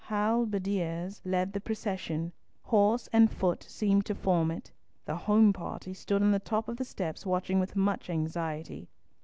Halberdiers led the procession, horse and foot seemed to form it. The home party stood on the top of the steps watching with much anxiety.